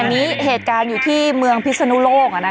อันนี้เหตุการณ์อยู่ที่เมืองพิศนุโลก